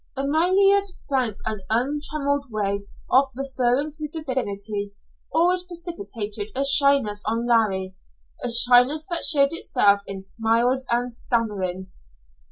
Amalia's frank and untrammeled way of referring to Divinity always precipitated a shyness on Larry, a shyness that showed itself in smiles and stammering.